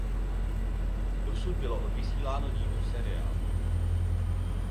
Dosud bylo odvysíláno dílů seriálu.